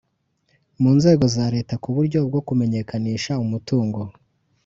mu nzego za Leta ku buryo bwo kumenyekanisha umutungo